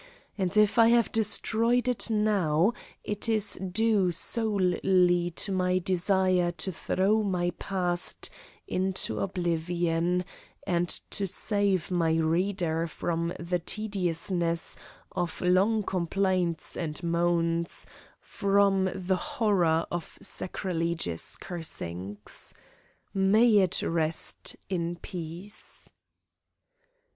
And if I have destroyed it now it is due solely to my desire to throw my past into oblivion and to save my reader from the tediousness of long complaints and moans, from the horror of sacrilegious cursings. May it rest in peace!